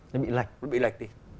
nó bị lạch